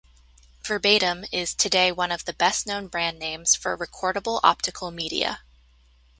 Verbatim is today one of the best-known brand names for recordable optical media.